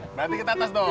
berarti kita atas dong